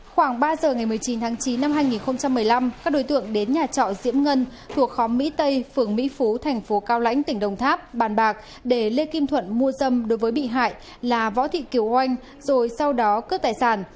khoảng ba giờ ngày một mươi chín tháng chín năm hai nghìn một mươi năm các đối tượng đến nhà trọ diễm ngân thuộc khóm mỹ tây phường mỹ phú thành phố cao lãnh tỉnh đồng tháp bàn bạc để lê kim thuận mua dâm đối với bị hại là võ thị kiều oanh rồi sau đó cướp tài sản